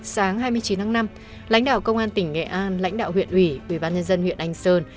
sáng hai mươi chín tháng năm lãnh đạo công an tỉnh nghệ an lãnh đạo huyện ủy ubnd huyện anh sơn